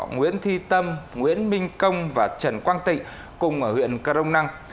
nguyễn thi tâm nguyễn minh công và trần quang tịnh cùng ở huyện crong năng